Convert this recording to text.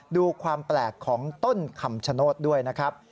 ดูความแปลกของต้นคำชโนธด้วยนะครับ